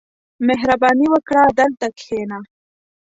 • مهرباني وکړه، دلته کښېنه.